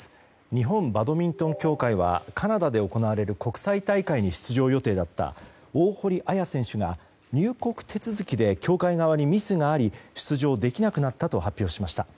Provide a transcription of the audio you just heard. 日本バドミントン協会はカナダで行われる国際大会に出場予定だった大堀彩選手が入国手続きで協会側にミスがあり出場できなくなったと発表しました。